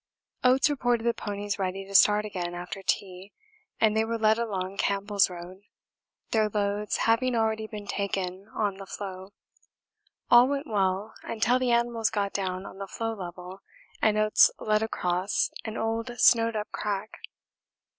Oates reported the ponies ready to start again after tea, and they were led along Campbell's road, their loads having already been taken on the floe all went well until the animals got down on the floe level and Oates led across an old snowed up crack.